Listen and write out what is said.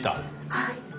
はい。